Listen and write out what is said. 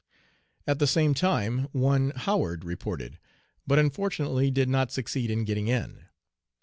At the same time one Howard reported, but unfortunately did not succeed in "getting in."